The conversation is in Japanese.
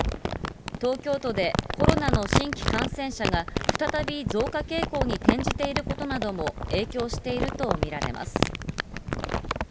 東京都でコロナの新規感染者が再び増加傾向に転じていることなども影響していると見られます。